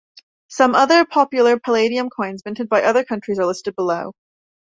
Some other popular palladium coins minted by other countries are listed below.